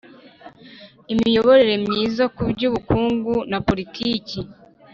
imiyoborere myiza mu by'ubukungu na politiki